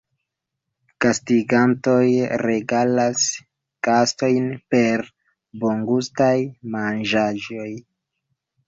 Gastigantoj regalas gastojn per bongustaj manĝaĵoj.